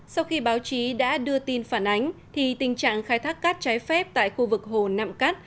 sau khi báo chí đã đưa tin phản ánh thì tình trạng khai thác cát trái phép tại khu vực hồ nạm cát